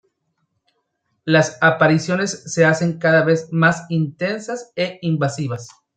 Las apariciones se hacen cada vez más intensas e invasivas.